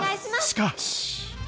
しかし。